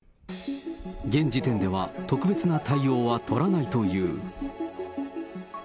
現時点では、特別な対応は取らないという。